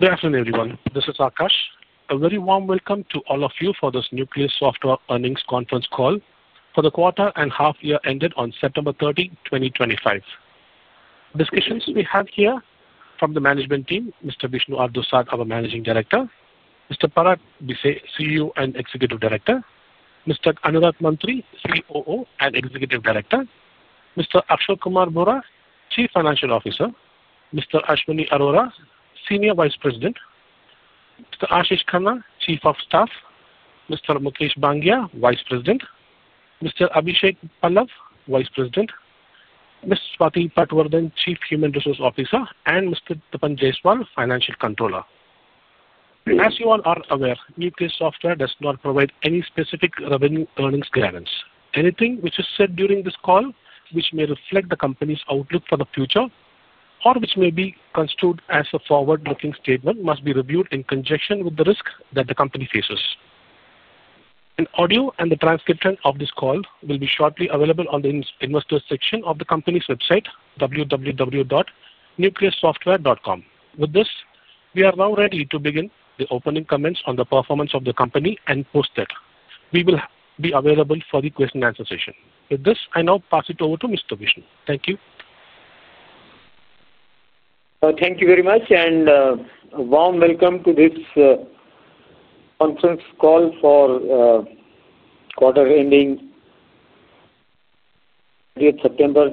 Good afternoon, everyone. This is Akash. A very warm welcome to all of you for this Nucleus Software Earnings Conference Call for the quarter and half-year ended on September 30, 2025. Discussions we have here from the management team: Mr. Vishnu Dusad, our Managing Director; Mr. Parag Bhise, CEO and Executive Director; Mr. Anurag Mantri, COO and Executive Director; Mr. Ashwani Arora, Chief Financial Officer; Mr. Ashwani Arora, Senior Vice President; Mr. Ashish Khanna, Chief of Staff; Mr. Mukesh Bangia, Vice President; Mr. Abhishek Pallav, Vice President; Ms. Swati Patwardhan, Chief Human Resource Officer; and Mr. Tapan Jayaswal, Financial Controller. As you all are aware, Nucleus Software does not provide any specific revenue earnings clearance. Anything which is said during this call, which may reflect the company's outlook for the future or which may be construed as a forward-looking statement, must be reviewed in conjunction with the risk that the company faces. An audio and the transcription of this call will be shortly available on the investor section of the company's website, www.nucleussoftware.com. With this, we are now ready to begin the opening comments on the performance of the company and post that we will be available for the question-and-answer session. With this, I now pass it over to Mr. Vishnu. Thank you. Thank you very much, and a warm welcome to this conference call for the quarter ending September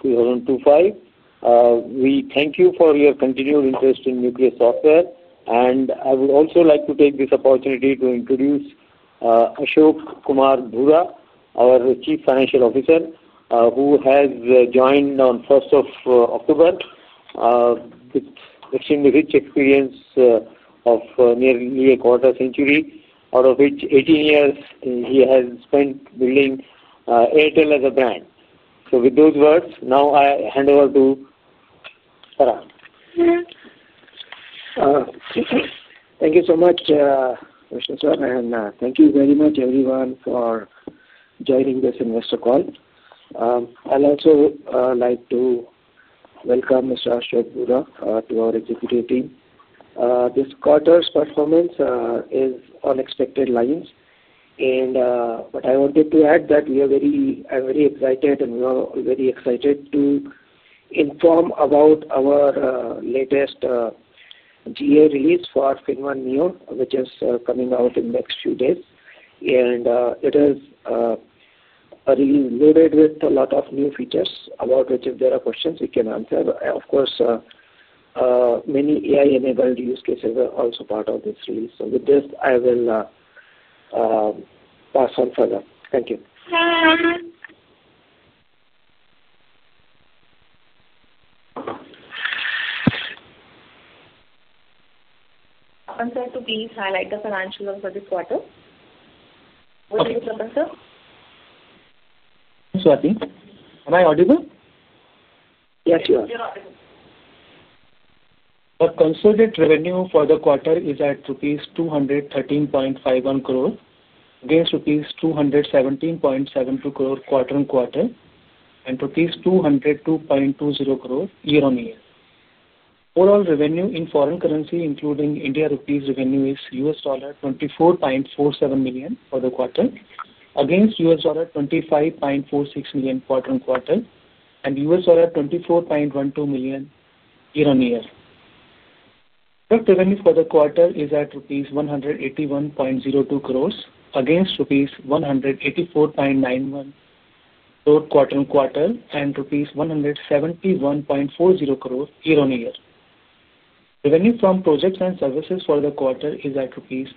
2025. We thank you for your continued interest in Nucleus Software, and I would also like to take this opportunity to introduce Ashwani Arora, our Chief Financial Officer, who has joined on October 1 with extremely rich experience of nearly a quarter century, out of which 18 years he has spent building Airtel as a brand. With those words, now I hand over to Mr. Parag. Thank you so much, Mr. Sir, and thank you very much, everyone, for joining this investor call. I would also like to welcome Mr. Ashwani Arora to our executive team. This quarter's performance is on expected lines, but I wanted to add that we are very excited, and we are very excited to inform about our latest GA release for FinnOne Neo, which is coming out in the next few days. It is related with a lot of new features about which, if there are questions, we can answer. Of course, many AI-enabled use cases are also part of this release. With this, I will pass on further. Thank you. I'm sorry, could you please highlight the financials for this quarter? Mr. Swati, can you answer? Swati, am I audible? Yes, you are. Our consolidated revenue for the quarter is at rupees 213.51 crore against rupees 217.72 crore quarter-on-quarter and rupees 202.20 crore year-on-year. Overall revenue in foreign currency, including Indian rupees, revenue is $24.47 million for the quarter against $25.46 million quarter-on-quarter and $24.12 million year-on-year. Revenue for the quarter is at rupees 181.02 crore against rupees 184.91 crore quarter-on-quarter and rupees 171.40 crore year-on-year. Revenue from projects and services for the quarter is at rupees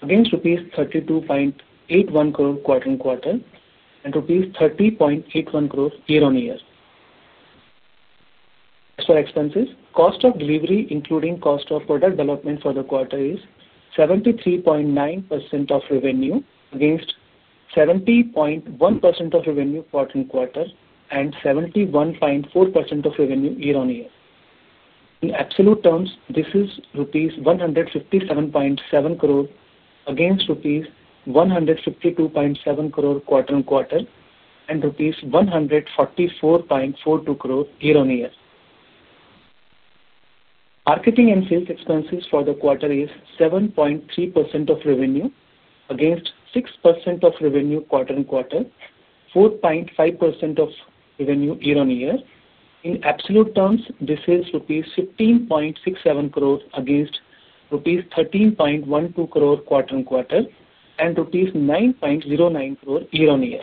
32.50 crore against rupees 32.81 crore quarter-on-quarter and INR 30.81 crore year-on-year. As for expenses, cost of delivery, including cost of product development for the quarter, is 73.9% of revenue against 70.1% of revenue quarter-on-quarter and 71.4% of revenue year-on-year. In absolute terms, this is rupees 157.7 crore against rupees 152.7 crore quarter-on-quarter and rupees 144.42 crore year-on-year. Marketing and sales expenses for the quarter is 7.3% of revenue against 6% of revenue quarter-on-quarter, 4.5% of revenue year-on-year. In absolute terms, this is rupees 15.67 crore against rupees 13.12 crore quarter-on-quarter and rupees 9.09 crore year-on-year.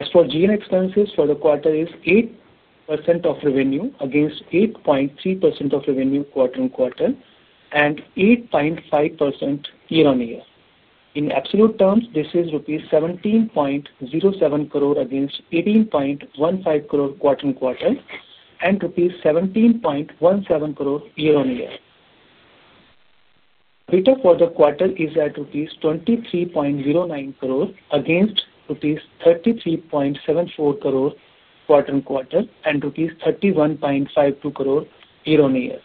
As for GN expenses for the quarter, it is 8% of revenue against 8.3% of revenue quarter-on-quarter and 8.5% year-on-year. In absolute terms, this is rupees 17.07 crore against 18.15 crore quarter-on-quarter and rupees 17.17 crore year-on-year. Beta for the quarter is at rupees 23.09 crore against rupees 33.74 crore quarter-on-quarter and rupees 31.52 crore year-on-year.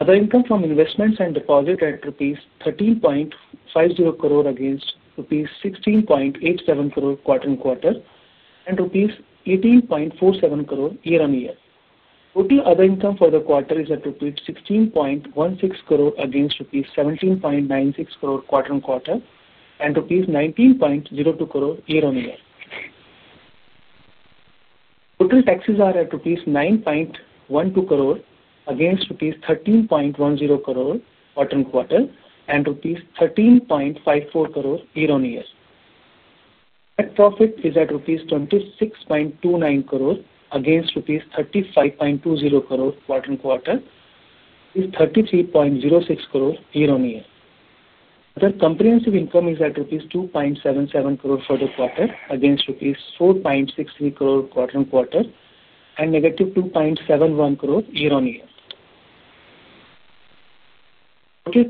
Other income from investments and deposits is at rupees 13.50 crore against rupees 16.87 crore quarter-on-quarter and rupees 18.47 crore year-on-year. Total other income for the quarter is at rupees 16.16 crore against rupees 17.96 crore quarter-on-quarter and rupees 19.02 crore year-on-year. Total taxes are at 9.12 crore rupees against 13.10 crore rupees quarter-on-quarter and 13.54 crore rupees year-on-year. Net profit is at 26.29 crore rupees against 35.20 crore rupees quarter-on-quarter. It is 33.06 crore rupees year-on-year. Other comprehensive income is at rupees 2.77 crore for the quarter against rupees 4.63 crore quarter-on-quarter and negative 2.71 crore year-on-year.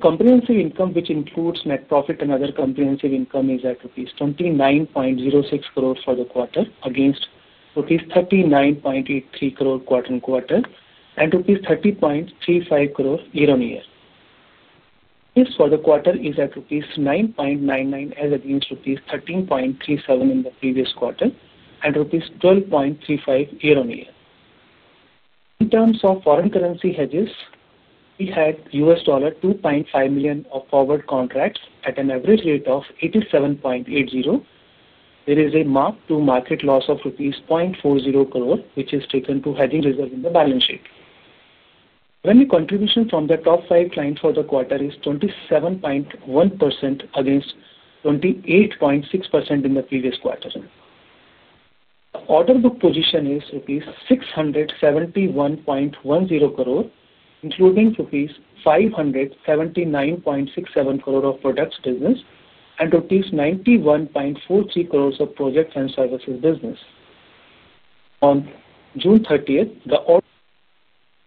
Comprehensive income, which includes net profit and other comprehensive income, is at rupees 29.06 crore for the quarter against rupees 39.83 crore quarter-on-quarter and rupees 30.35 crore year-on-year. This for the quarter is at rupees 9.99 as against rupees 13.37 in the previous quarter and rupees 12.35 year-on-year. In terms of foreign currency hedges, we had $2.5 million of forward contracts at an average rate of 87.80. There is a marked to market loss of 0.40 crore rupees, which is taken to hedging reserve in the balance sheet. Revenue contribution from the top five clients for the quarter is 27.1% against 28.6% in the previous quarter. Order book position is INR 671.10 crore, including INR 579.67 crore of products business and INR 91.43 crore of projects and services business. On June 30th, the order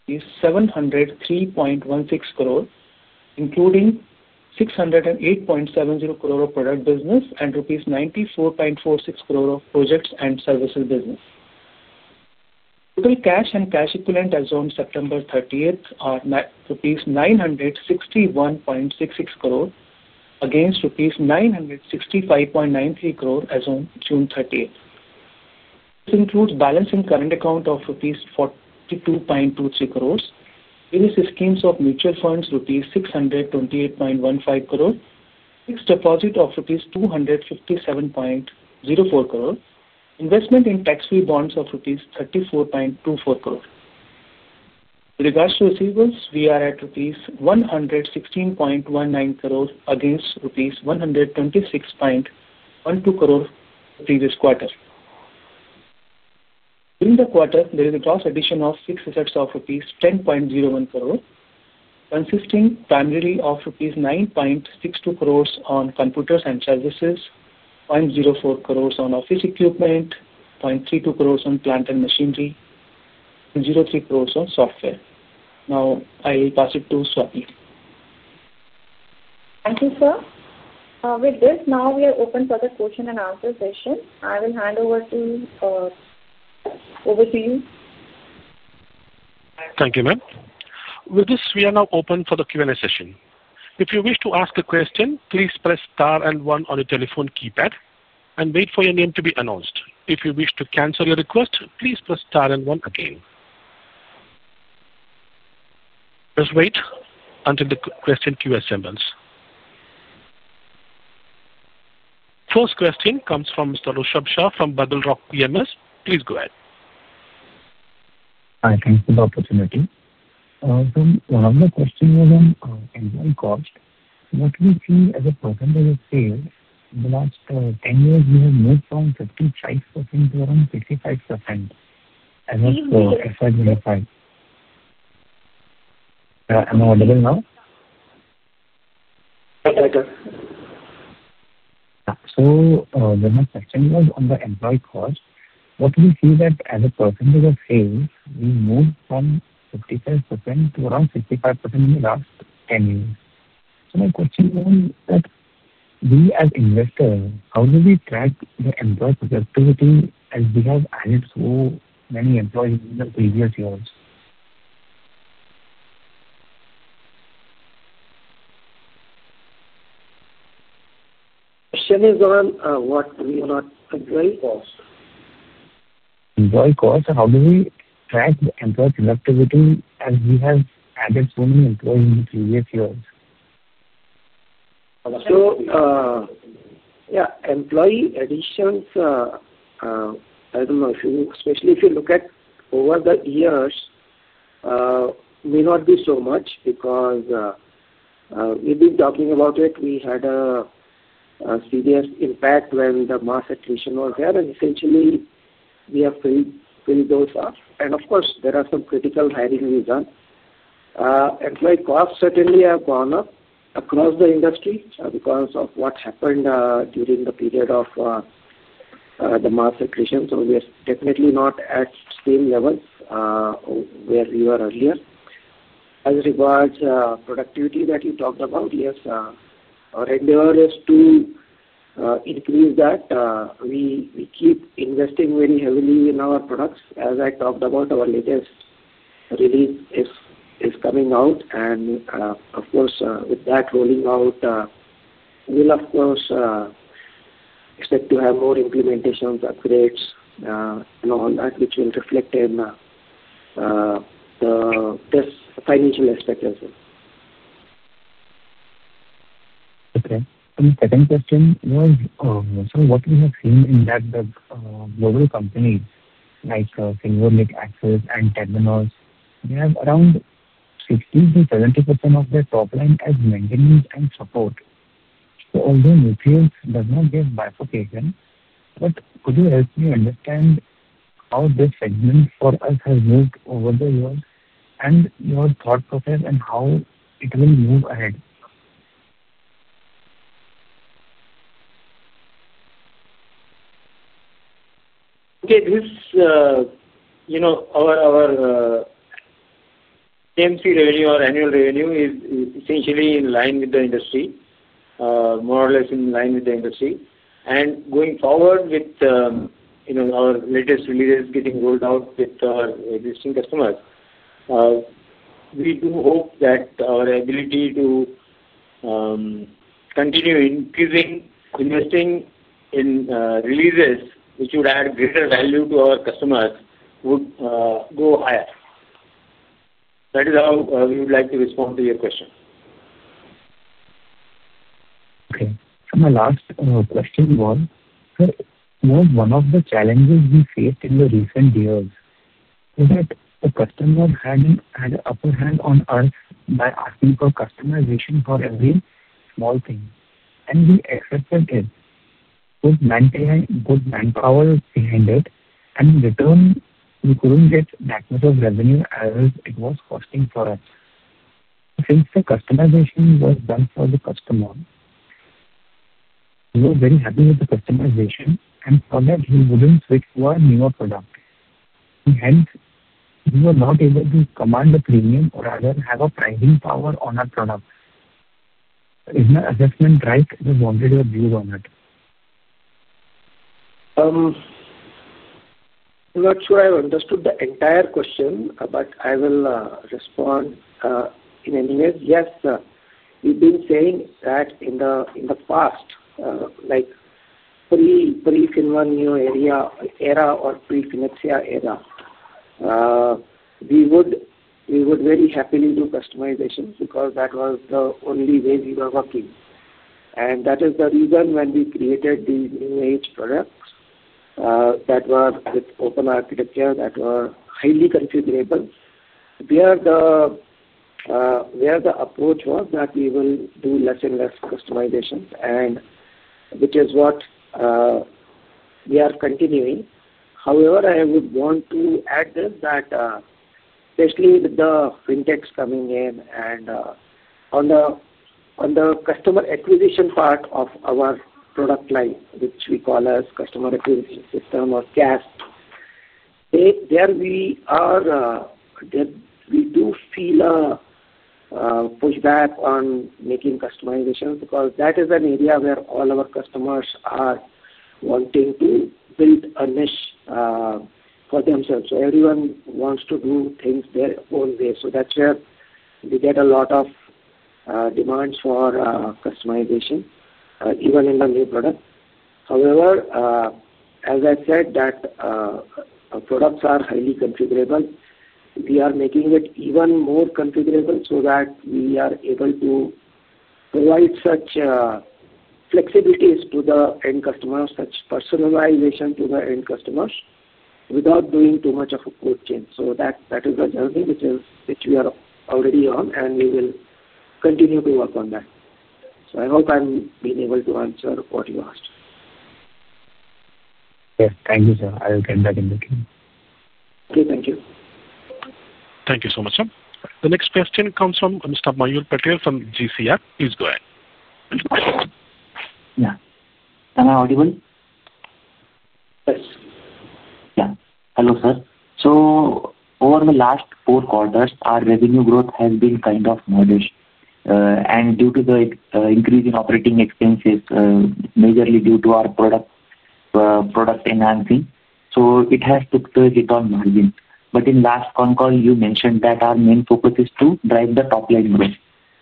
is 703.16 crore, including 608.70 crore of product business and rupees 94.46 crore of projects and services business. Total cash and cash equivalent as on September 30th are rupees 961.66 crore against rupees 965.93 crore as on June 30th. This includes balance in current account of rupees 42.23 crore, various schemes of mutual funds rupees 628.15 crore, fixed deposit of rupees 257.04 crore, investment in tax-free bonds of rupees 34.24 crore. With regards to receivables, we are at rupees 116.19 crore against rupees 126.12 crore previous quarter. During the quarter, there is a gross addition of six assets of rupees 10.01 crore, consisting primarily of rupees 9.62 crore on computers and services, 0.04 crore on office equipment, 0.32 crore on plant and machinery, and 0.03 crore on software. Now I will pass it to Swati. Thank you, sir. With this, now we are open for the question-and-answer session. I will hand over to [Overseeing]. Thank you, ma'am. With this, we are now open for the Q&A session. If you wish to ask a question, please press star and one on your telephone keypad and wait for your name to be announced. If you wish to cancel your request, please press star and one again. Just wait until the question queue assembles. First question comes from Mr. [Rishab Shah] from BugleRock PMS. Please go ahead. Thank you for the opportunity. The question was on employee cost. What we see as a percentage of sale in the last 10 years, we have made from 55% to around 65%. Am I audible now? Yes, I can. The question was on the employee cost. What we see as a percentage of sales, we moved from 55% to around 65% in the last 10 years. My question is, as an investor, how do we track the employee productivity as we have had so many employees in the previous years? Question is on what we are not. Employee cost. Employee cost, and how do we track the employee productivity as we have added so many employees in the previous years? Yeah, employee additions, I don't know, especially if you look at over the years, may not be so much because we've been talking about it. We had a serious impact when the mass attrition was there, and essentially, we have filled those up. Of course, there are some critical hiring we've done. Employee costs certainly have gone up across the industry because of what happened during the period of the mass attrition. We are definitely not at the same level where we were earlier. As regards productivity that you talked about, yes, our endurance to increase that. We keep investing very heavily in our products. As I talked about, our latest release is coming out, and of course, with that rolling out, we'll of course expect to have more implementation upgrades and all that, which will reflect in the financial expectations. Okay. Please get any question. What we have seen is that the global companies like FinnOne, FinnAxia, and Temenos, they have around 50%-70% of their top line as maintenance and support. All their retails does not get bifurcation. Could you help me understand how this segment for us has moved over the years and your thought process and how it will move ahead? Okay, this, our TMC revenue or annual revenue is essentially in line with the industry, more or less in line with the industry. Going forward, with our latest releases getting rolled out with our existing customers, we do hope that our ability to continue increasing investing in releases, which would add greater value to our customers, would go higher. That is how we would like to respond to your question. Okay. My last question was, sir, was one of the challenges we faced in the recent years is that the customer had an upper hand on us by asking for customization for every small thing. We accepted it, put manpower behind it, and in return, we could not get that much of revenue as it was costing for us. Since the customization was done for the customer, we were very happy with the customization, and surely he would not switch to a newer product. He held he was not able to command the premium or otherwise have a pricing power on that product. Is my assessment right? Just wanted to have views on it. I'm not sure I understood the entire question, but I will respond in any way. Yes, we've been saying that in the past, like pre-Sinvani era or pre-FinnAxia era, we would very happily do customizations because that was the only way we were working. That is the reason when we created these new age products that were with open architecture that were highly configurable. The approach was that we will do less and less customizations, which is what we are continuing. However, I would want to add this that especially with the Fintechs coming in and on the customer acquisition part of our product line, which we call as Customer Acquisition System or CAS, there we do feel a pushback on making customizations because that is an area where all our customers are wanting to build a niche for themselves. Everyone wants to do things their own way. That's where we get a lot of demands for customization, even in the new product. However, as I said, the products are highly configurable. We are making it even more configurable so that we are able to provide such flexibilities to the end customers, such personalization to the end customers without doing too much of a code change. That is the journey which we are already on, and we will continue to work on that. I hope I'm being able to answer what you asked. Yes, thank you, sir. I will get back in the queue. Okay, thank you. Thank you so much, sir. The next question comes from Mr. [Mayur Patel] from GCR. Please go ahead. Yeah. Can I audible? Yeah. Hello, sir. Over the last four quarters, our revenue growth has been kind of modest. Due to the increase in operating expenses, majorly due to our product enhancing, it has took to a return margin. In last con call, you mentioned that our main focus is to drive the top line growth.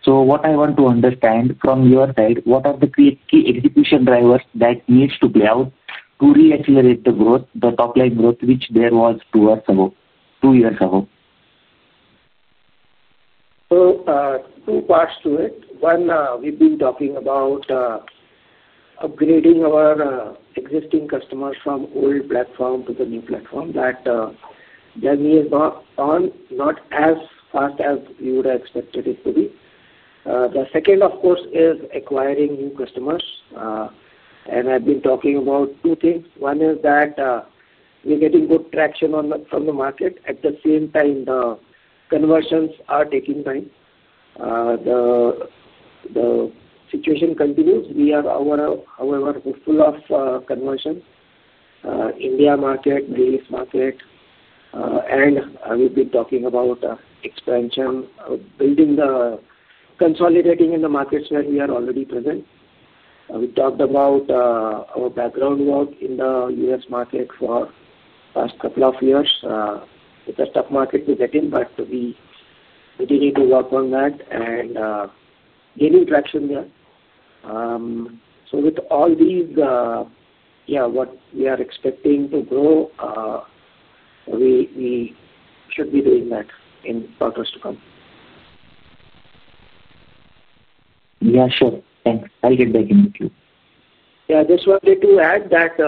What I want to understand from your side, what are the key execution drivers that need to play out to reaccelerate the growth, the top line growth, which there was two years ago? Two parts to it. One, we have been talking about upgrading our existing customers from old platform to the new platform. That journey is not as fast as you would have expected it to be. The second, of course, is acquiring new customers. I have been talking about two things. One is that we're getting good traction from the market. At the same time, the conversions are taking time. The situation continues. We are overall hopeful of conversion, India market, Greece market. We have been talking about expansion, building the consolidating in the markets where we are already present. We talked about our background work in the US market for the last couple of years. It's a tough market to get in, but we continue to work on that and gaining traction there. With all these, yeah, what we are expecting to grow, we should be doing that in quarters to come. Yeah, sure. Thanks. I'll get back in the queue. Yeah, just wanted to add that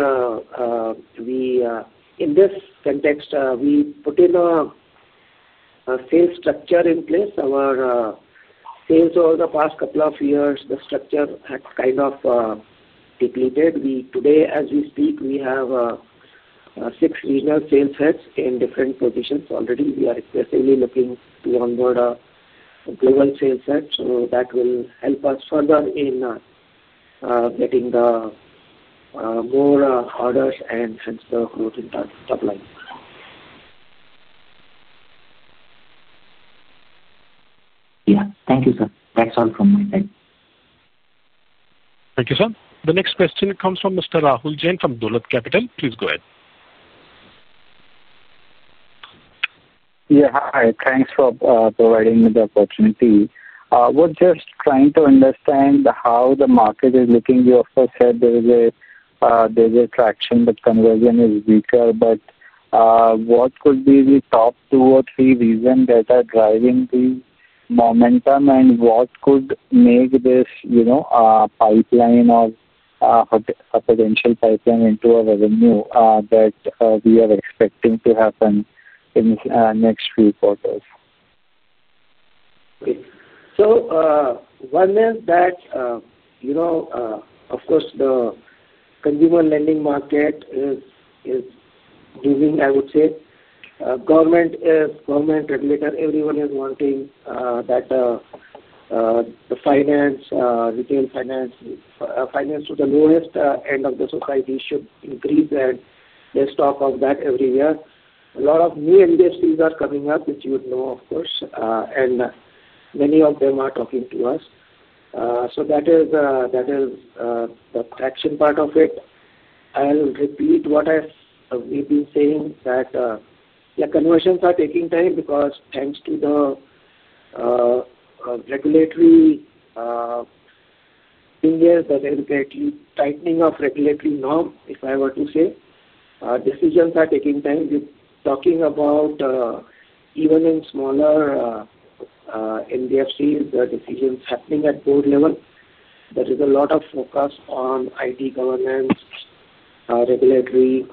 in this context, we put in a sales structure in place. Our sales over the past couple of years, the structure had kind of depleted. Today, as we speak, we have six regional sales heads in different positions already. We are especially looking to onboard a global sales head, so that will help us further in getting more orders and transfer growth in that supply. Yeah, thank you, sir. That's all from my side. Thank you, sir. The next question comes from Mr. Rahul Jain from Dolat Capital. Please go ahead. Yeah, hi. Thanks for providing me the opportunity. I was just trying to understand how the market is looking. You also said there is a traction, but conversion is weaker. What could be the top two or three reasons that are driving the momentum, and what could make this pipeline or a potential pipeline into a revenue that we are expecting to happen in the next three quarters? One is that, of course, the consumer lending market is giving, I would say, government regulator, everyone is wanting that the finance, retail finance, finance to the lowest end of the society should increase and the stock of that every year. A lot of new industries are coming up, which you would know, of course, and many of them are talking to us. That is the traction part of it. I'll repeat what we've been saying, that conversions are taking time because thanks to the regulatory tightening of regulatory norm, if I were to say, decisions are taking time. We're talking about even in smaller NBFCss, the decisions happening at board level. There is a lot of focus on IT governance, regulatory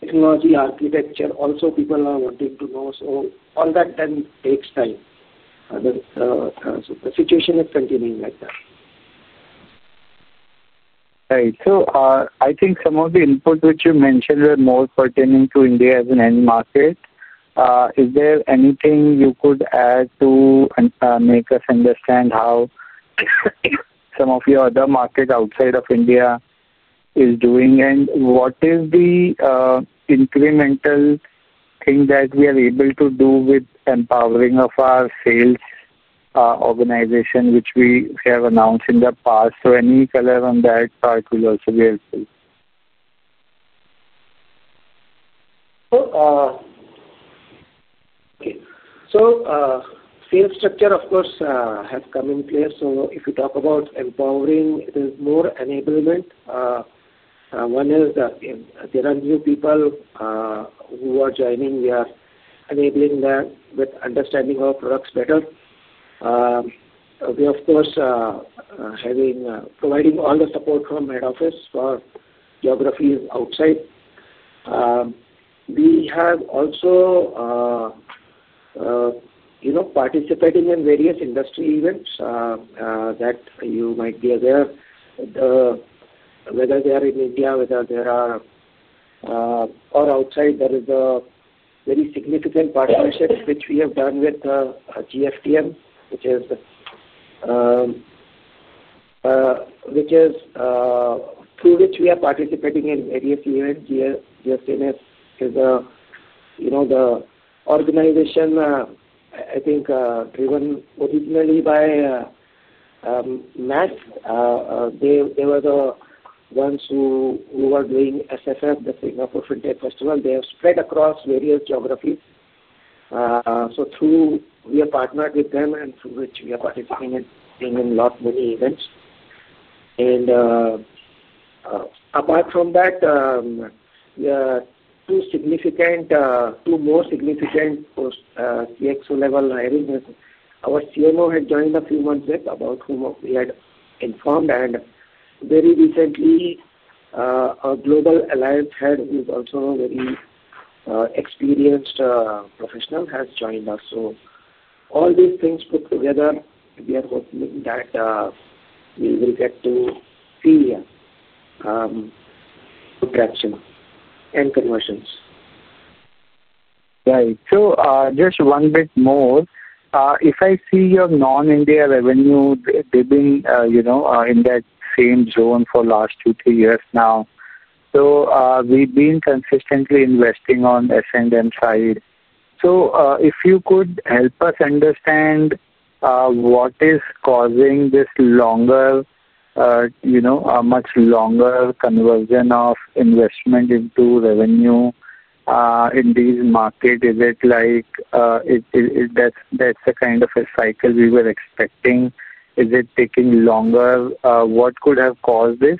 technology architecture. Also, people are wanting to know. All that can take time. The situation is continuing like that. Right. I think some of the input which you mentioned were more pertaining to India as an end market. Is there anything you could add to make us understand how some of your other markets outside of India is doing? What is the incremental thing that we are able to do with empowering of our sales organization, which we have announced in the past? Any color on that part will also be helpful. Sales structure, of course, has come in place. If we talk about empowering, there is more enablement. One is there are new people who are joining here, enabling them with understanding our products better. We, of course, are providing all the support from head office for geographies outside. We have also participated in various industry events that you might be there. Whether they are in India, whether they are outside, there is a very significant partnership which we have done with GFTN, which is through which we are participating in various events. GFTN is the organization, I think, driven originally by MAS. They were the ones who were doing SFF, the Singapore FinTech Festival. They are spread across various geographies. We have partnered with them and through which we are participating in a lot, many events. Apart from that, two more significant exo-level hirings. Our CMO had joined a few months ago about whom we had informed. Very recently, a global alliance head with also very experienced professionals has joined us. All these things put together, we are hoping that we will get to see good traction and conversions. Right. Just one bit more. If I see your non-India revenue, they have been in that same zone for the last two, three years now. We have been consistently investing on S&M side. If you could help us understand what is causing this much longer conversion of investment into revenue in these markets, is it like that is the kind of a cycle we were expecting? Is it taking longer? What could have caused this?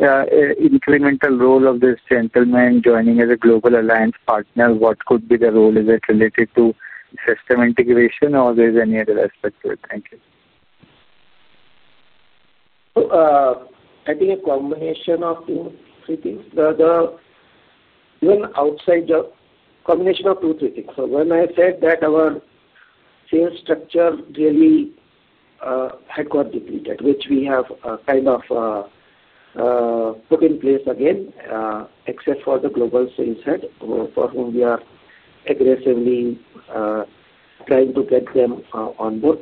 Incremental role of this gentleman joining as a global alliance partner, what could be the role? Is it related to system integration, or is there any other aspect to it? Thank you. I think a combination of three things. Even outside the combination of two-three things. When I said that our sales structure really had got depleted, which we have kind of put in place again, except for the global sales head, for whom we are aggressively trying to get them on board.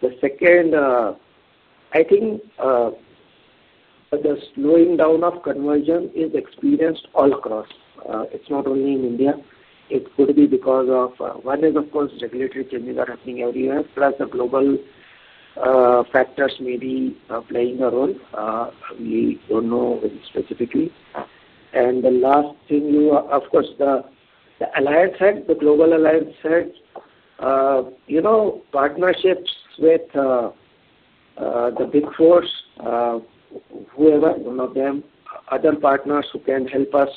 The second, I think the slowing down of conversion is experienced all across. It's not only in India. It could be because of one is, of course, regulatory changes are happening everywhere, plus the global factors may be playing a role. We don't know specifically. The last thing, of course, the alliance head, the global alliance head, partnerships with the big fours, whoever, one of them, other partners who can help us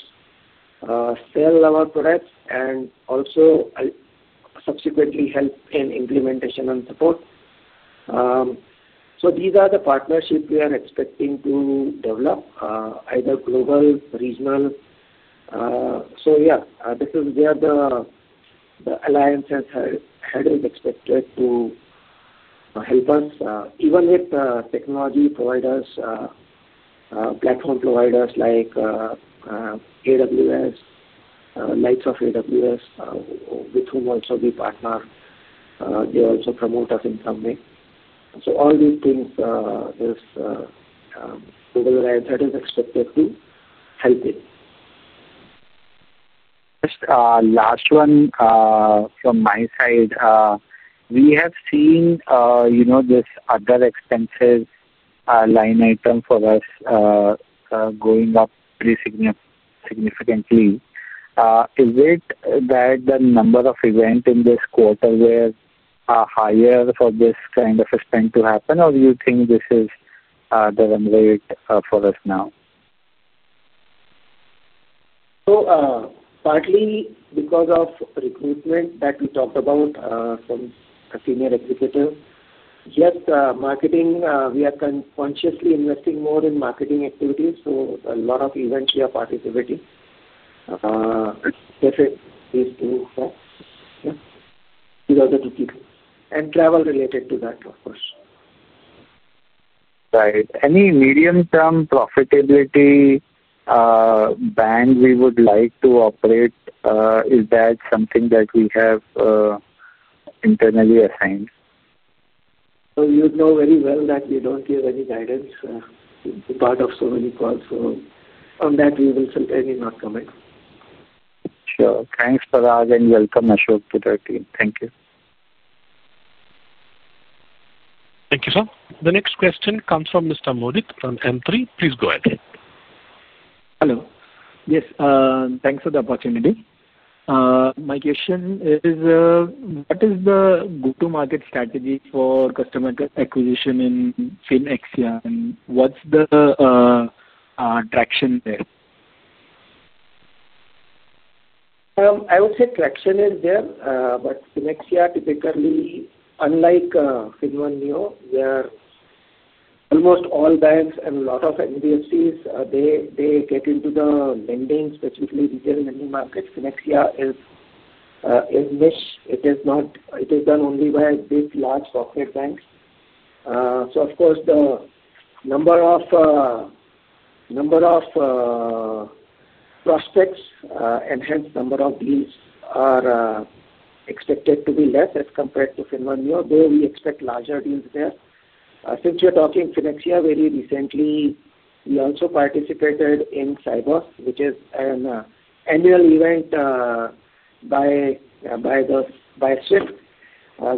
sell our products and also subsequently help in implementation and support. These are the partnerships we are expecting to develop, either global, regional. Yeah, this is where the alliance head is expected to help us, even with technology providers, platform providers like AWS, lights of AWS, with whom also we partner. There is a promote of incoming. All these things, global alliance head is expected to help it. Just last one from my side, we have seen this other expense line item for us going up pretty significantly. Is it that the number of events in this quarter were higher for this kind of event to happen, or do you think this is the run rate for us now? Partly because of recruitment that we talked about from a senior executive. Yes, marketing, we are consciously investing more in marketing activities. A lot of events we are participating in. It's definitely due to these other two things. Travel related to that, of course. Right. Any medium-term profitability band we would like to operate? Is that something that we have internally assigned? You know very well that we do not give any guidance in part of so many calls. On that, we will certainly not comment. Sure. Thanks, Faraz, and welcome, Ashwani Arora. Thank you. Thank you, sir. The next question comes from Mr. Modit from M3. Please go ahead. Hello. Yes, thanks for the opportunity. My question is, what is the go-to-market strategy for customer acquisition in FinnAxia? What is the traction there? I would say traction is there, but FinnAxia, typically, unlike FinnOne Neo, where almost all banks and a lot of NBFCss, they get into the lending, specifically retail lending market, FinnAxia is niche. It is done only by big large corporate banks. Of course, the number of prospects and hence number of deals are expected to be less as compared to FinnOne Neo. There we expect larger deals there. Since you're talking FinnAxia, very recently, we also participated in SIBOS, which is an annual event by Swift,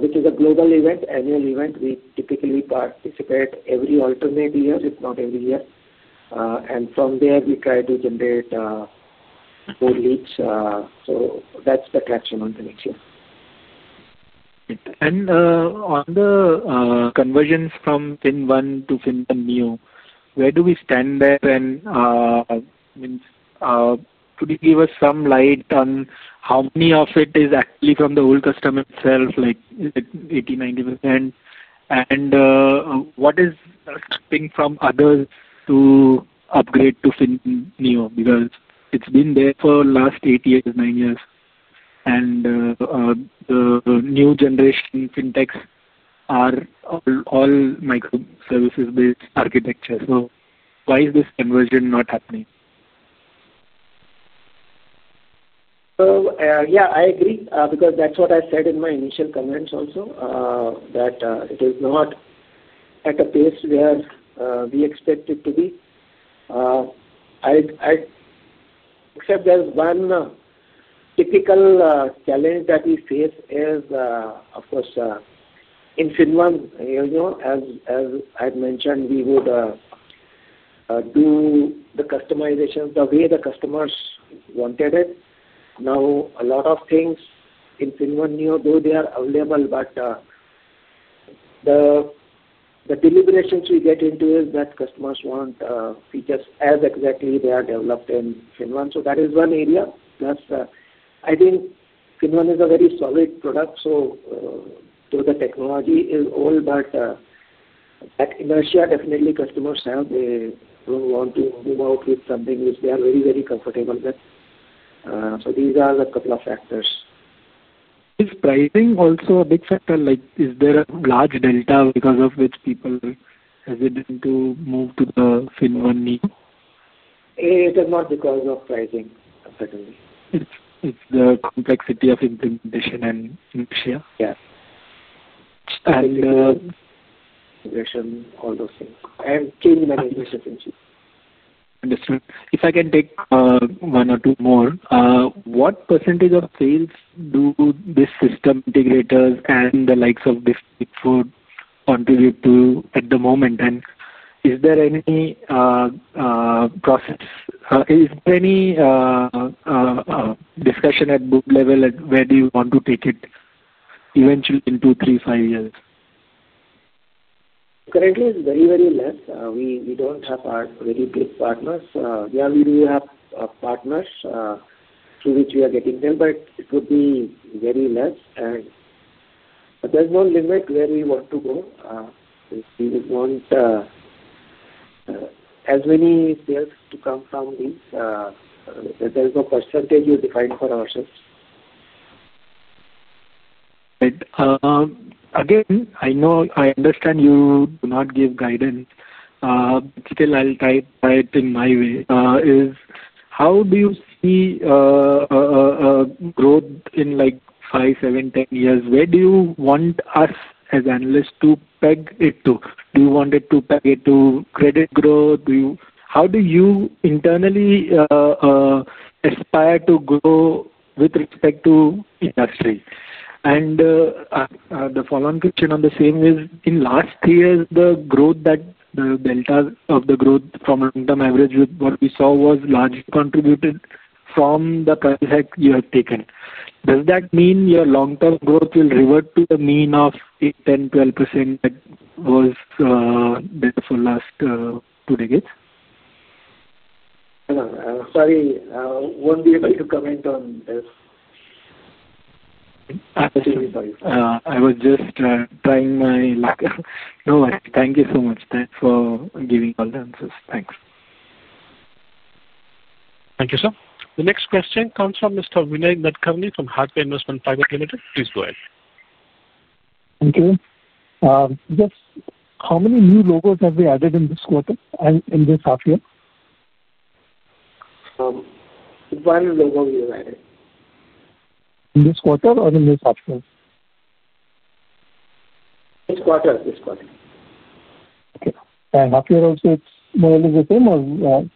which is a global event, annual event. We typically participate every alternate year, if not every year. From there, we try to generate more leads. That is the traction on FinnAxia. On the conversions from FinnOne to FinnOne Neo, where do we stand there? Could you give us some light on how many of it is actually from the old customer itself, like 80%-90%? What is stopping others from upgrading to FinnOne Neo? It has been there for the last eight years, nine years. The new generation Fintechs are all microservices-based architecture. Why is this conversion not happening? Yeah, I agree because that's what I said in my initial comments also, that it is not at a pace where we expect it to be. Except there's one typical challenge that we face is, of course, in FinnOne Neo, as I've mentioned, we would do the customization the way the customers wanted it. Now, a lot of things in FinnOne Neo, though they are available, but the deliberations we get into is that customers want features as exactly they are developed in FinnOne. That is one area. I think FinnOne is a very solid product. Though the technology is old, but at inertia, definitely customers have the wanting to know if something is there very, very comfortable. These are a couple of factors. Is pricing also a big factor? Is there a large delta because of which people hesitant to move to the FinnOne Neo? It is not because of pricing, certainly. It's the complexity of implementation and inertia. Yeah. And. Consideration, all those things. Change management. Understood. If I can take one or two more, what percentage of sales do this system integrator and the likes of this Bigfoot contribute to at the moment? Is there any discussion at board level where do you want to take it eventually in two, three, five years? Currently, it's very, very less. We don't have very big partners. Yeah, we have partners through which we are getting them, but it would be very less. There's no limit where we want to go. We want as many sales to come from these. There's no % we define for ourselves. Again, I understand you do not give guidance. Still, I'll try it in my way. How do you see growth in five, seven, ten years? Where do you want us as analysts to peg it to? Do you want it to peg it to credit growth? How do you internally aspire to grow with respect to industry? The follow-on question on the same is, in the last three years, the growth, the delta of the growth from long-term average with what we saw was large contributed from the career hack you have taken. Does that mean your long-term growth will revert to the mean of 8%, 10%, 12% that was there for the last two decades? Sorry, won't be able to comment on this. Absolutely. I was just trying my luck. No, thank you so much. Thanks for giving all the answers. Thanks. Thank you, sir. The next question comes from Mr. Vinay Nadkarni from Harper Investment Private Limited. Please go ahead. Thank you. Yes. How many new logos have we added in this quarter and in this half year? One logo we have added. In this quarter or in this half year? This quarter. Half year also, it's more or less the same, or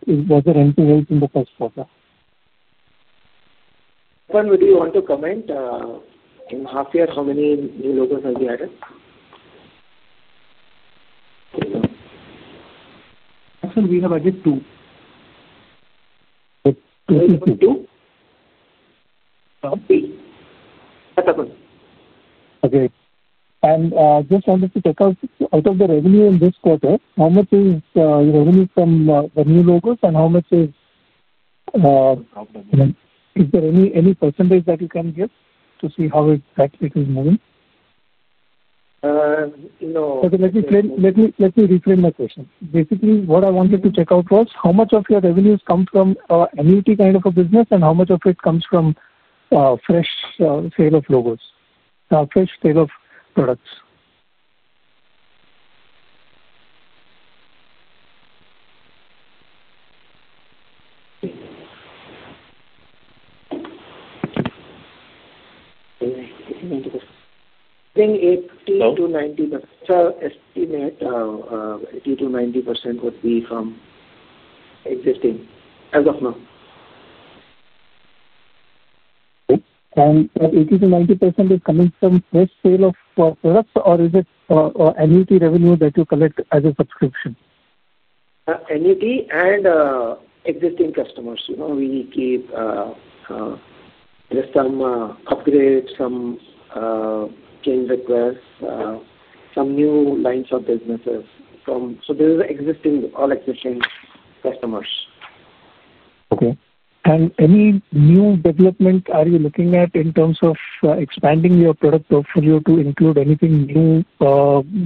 was there anything else in the past quarter? Fun, would you want to comment? In half year, how many new logos have you added? Actually, we have added two. Two? Probably. Okay. Just wanted to check out of the revenue in this quarter, how much is the revenue from the new logos and is there any percentage that you can get to see how it is moving? No. Okay. Let me reframe my question. Basically, what I wanted to check out was how much of your revenues come from annuity kind of a business and how much of it comes from fresh sale of logos, fresh sale of products? I think 80-90. 80%-90% would be from existing customers. That 80%-90% is coming from fresh sale of products or is it annuity revenue that you collect as a subscription? Annuity and existing customers. We keep just some upgrades, some change requests, some new lines of businesses. This is existing, all existing customers. Okay. Any new development are you looking at in terms of expanding your product portfolio to include anything new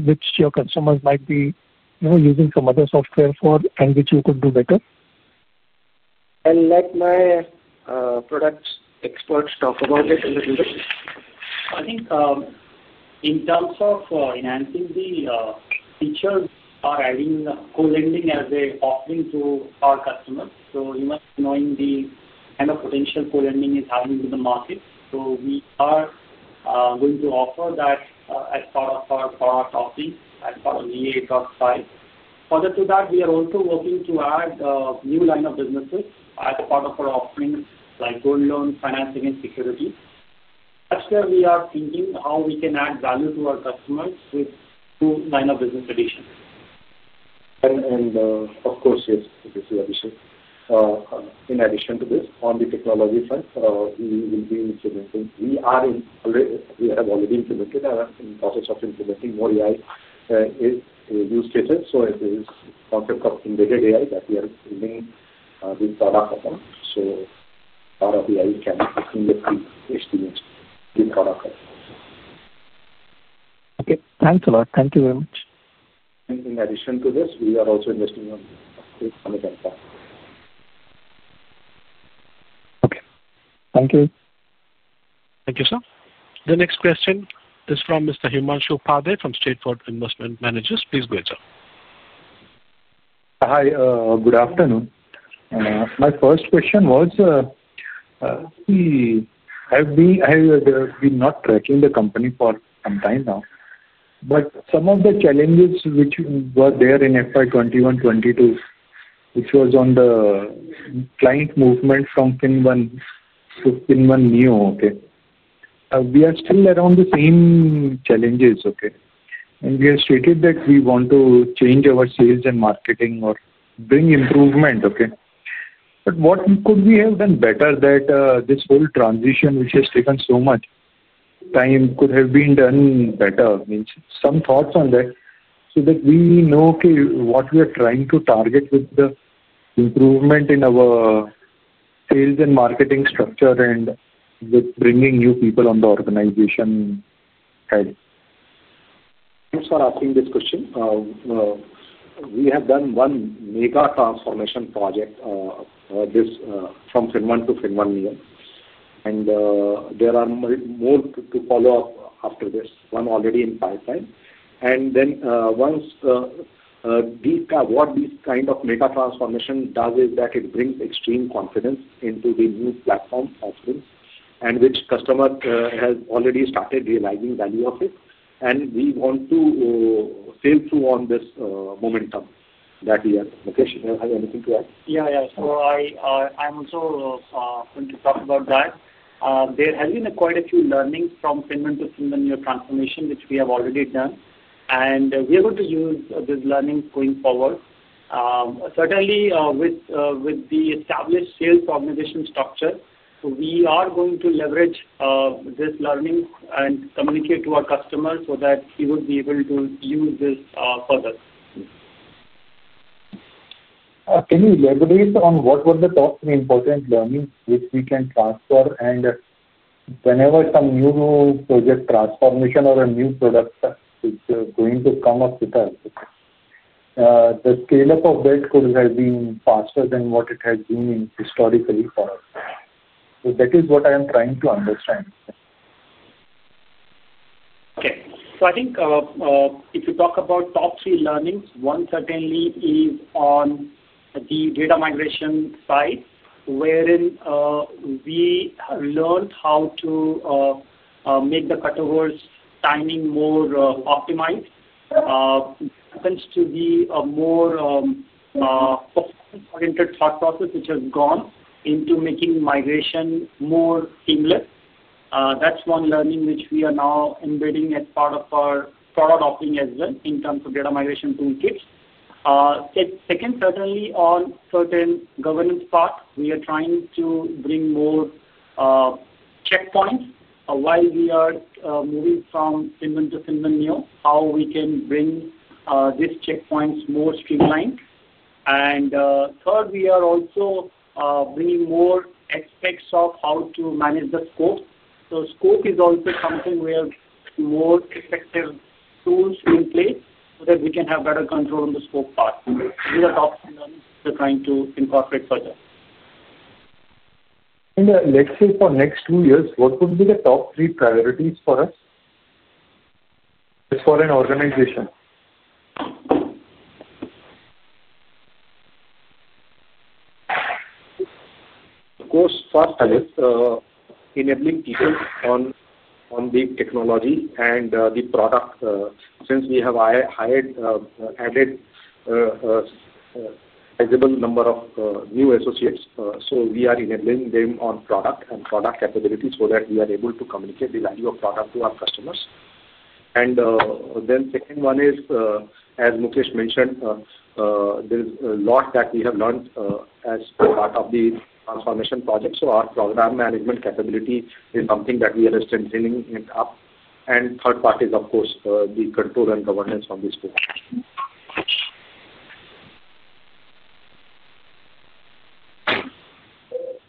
which your customers might be using some other software for and which you could do better? Let my product experts talk about it. I think in terms of enhancing the features or adding co-lending as an offering to our customers. You must know the kind of potential co-lending is coming to the market. We are going to offer that as part of our product offering as part of GA7.5. Further to that, we are also working to add a new line of businesses as part of our offering like gold loan, finance, and security. Actually, we are thinking how we can add value to our customers through line of business additions. Of course, yes, we could see everything. In addition to this, on the technology front, we have already implemented and are in the process of implementing more AI use cases. It is the concept of embedded AI that we are using with the product offering. A lot of AI can definitely be used with the product offering. Okay. Thanks a lot. Thank you very much. In addition to this, we are also investing on. Okay. Thank you. Thank you, sir. The next question is from Mr. Himanshu Padhe from State Fort Investment Managers. Please go ahead. Hi, good afternoon. My first question was, we have been not tracking the company for some time now. Some of the challenges which were there in FY 2021-2022, which was on the client movement from FinnOne Neo, okay, we are still around the same challenges, okay? We have stated that we want to change our sales and marketing or bring improvement, okay? What could we have done better that this whole transition, which has taken so much time, could have been done better? Some thoughts on that so that we know what we are trying to target with the improvement in our sales and marketing structure and with bringing new people on the organization? Thanks for asking this question. We have done one mega transformation project from FinnOne to FinnOne Neo. There are more to follow up after this, one already in pipeline. What this kind of mega transformation does is that it brings extreme confidence into the new platform offering, which customer has already started realizing value of it. We want to sail through on this momentum that we have. Okay, Bhise, have anything to add? Yeah, yeah. I'm so thrilled to talk about that. There has been quite a few learnings from FinnOne to FinnOne Neo transformation, which we have already done. We are going to use this learning going forward. Certainly, with the established sales organization structure, we are going to leverage this learning and communicate to our customers so that we would be able to use this further. Can you elaborate on what were the important learnings which we can transfer? Whenever some new project transformation or a new product is going to come up with us, the scale-up of that could have been faster than what it has been historically for us. That is what I am trying to understand. Okay. So I think if you talk about top three learnings, one certainly is on the data migration side, wherein we learned how to make the cutovers timing more optimized. It happens to be a more performance-oriented thought process which has gone into making migration more seamless. That's one learning which we are now embedding as part of our product offering as well in terms of data migration tooltips. Second, certainly on certain governance part, we are trying to bring more checkpoints while we are moving from FinnOne to FinnOne Neo, how we can bring these checkpoints more streamlined. Third, we are also bringing more aspects of how to manage the scope. So scope is also something where more effective tools in place so that we can have better control on the scope part. These are top learnings we're trying to incorporate further. Let's say for next two years, what would be the top three priorities for us? Just for an organization. Of course, first is enabling teachers on the technology and the product. Since we have added a sizable number of new associates, we are enabling them on product and product capabilities so that we are able to communicate the value of product to our customers. The second one is, as Mukesh mentioned, there is a lot that we have learned as part of the transformation project. Our program management capability is something that we are strengthening. The third part is, of course, the control and governance on the scope.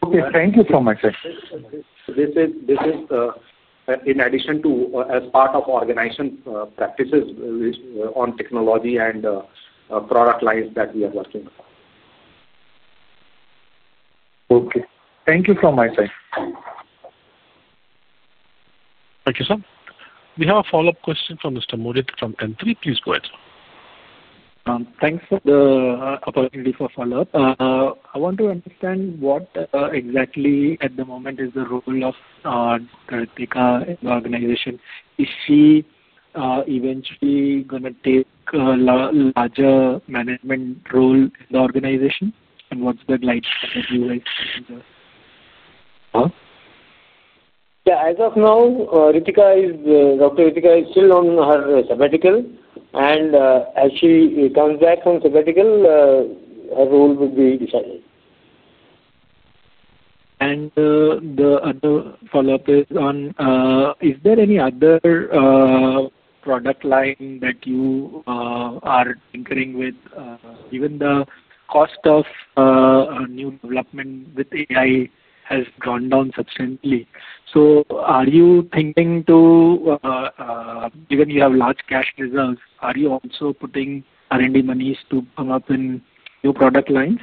Okay. Thank you so much. This is in addition to as part of organization practices on technology and product lines that we are working with. Okay. Thank you so much. Thank you, sir. We have a follow-up question from Mr. [Modit] from [Kantri]. Please go ahead. Thanks for the opportunity for follow-up. I want to understand what exactly at the moment is the role of Ritika in the organization. Is she eventually going to take a larger management role in the organization? What's the guidance strategy like? Yeah. As of now, Dr. Ritika is still on her sabbatical. As she comes back from sabbatical, her role will be decided. The other follow-up is on, is there any other product line that you are tinkering with? Even the cost of new development with AI has gone down substantially. Are you thinking to, given you have large cash reserves, are you also putting R&D monies to come up in new product lines?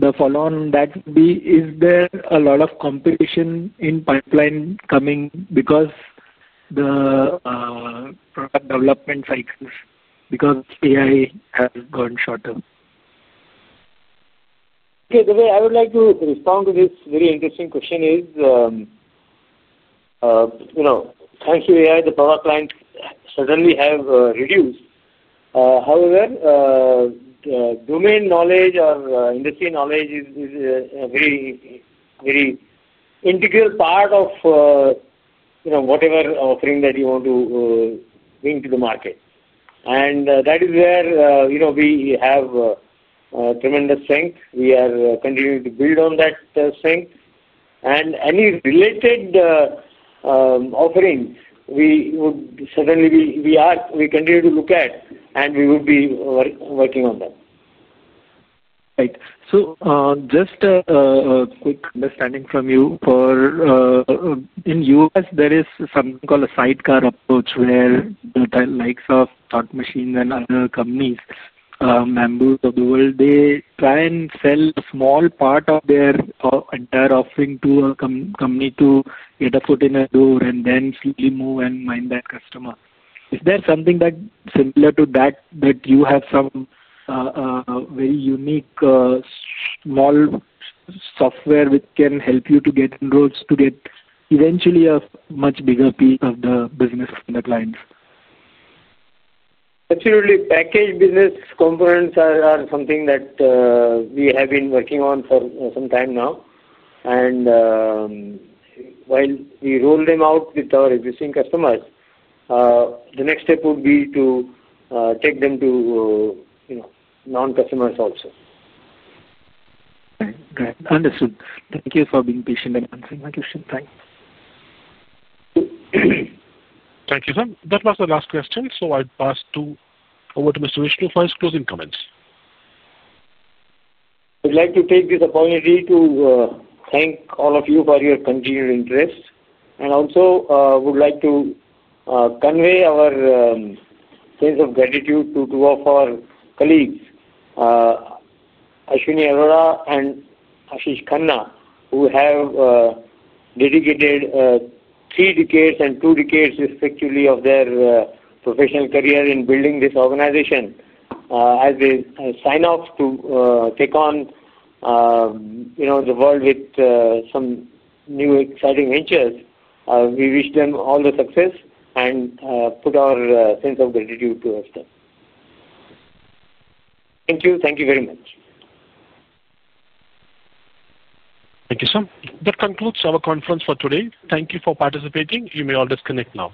The follow-on on that would be, is there a lot of competition in pipeline coming because the product development cycles with AI have gone shorter? Okay. The way I would like to respond to this very interesting question is, thanks to AI, the product lines certainly have reduced. However, domain knowledge or industry knowledge is a very integral part of whatever offering that you want to bring to the market. That is where we have tremendous strength. We are continuing to build on that strength. Any related offering, we would certainly be, we continue to look at and we would be working on them. Right. So just a quick understanding from you. In the US, there is something called a sidecar approach where the likes of Thought Machine and other companies, Mambu of the world, they try and sell a small part of their entire offering to a company to get a foot in a door and then slowly move and mine that customer. Is there something similar to that that you have some very unique small software which can help you to get inroads to get eventually a much bigger piece of the business for the clients? Absolutely. Package business components are something that we have been working on for some time now. While we roll them out with our existing customers, the next step would be to take them to non-customers also. Right. Right. Understood. Thank you for being patient and answering my question. Thanks. Thank you, sir. That was the last question. I will pass over to Mr. Vishnu for his closing comments. I'd like to take this opportunity to thank all of you for your continued interest. I would also like to convey our sense of gratitude to two of our colleagues, Ashwani Arora and Ashish Khanna, who have dedicated three decades and two decades, respectively, of their professional career in building this organization. As they sign off to take on the world with some new exciting ventures, we wish them all the success and put our sense of gratitude to them. Thank you. Thank you very much. Thank you, sir. That concludes our conference for today. Thank you for participating. You may all disconnect now.